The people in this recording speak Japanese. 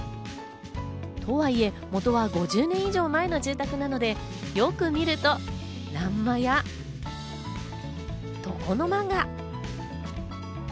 とはいえ元は５０年以上前の住宅なので、よく見ると欄間や床の間が。